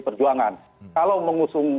perjuangan kalau mengusung